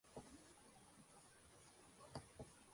Es una hierba anual o perenne, con tallo con frecuencia alado.